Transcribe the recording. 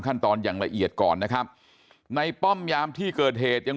ขั้นตอนอย่างละเอียดก่อนนะครับในป้อมยามที่เกิดเหตุยัง